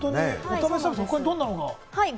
お試しサービス、他にはどんなのが？